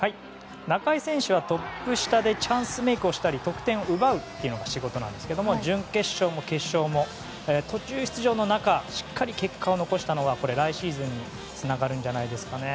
中井選手はトップ下でチャンスメークをしたり得点を奪うというのが仕事なんですけども準決勝も決勝も途中出場の中しっかり結果を残したのは来シーズンにつながるんじゃないですかね。